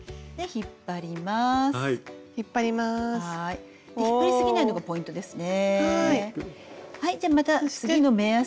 引っ張りすぎないのがポイントですね。